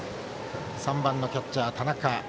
３番キャッチャー、田中。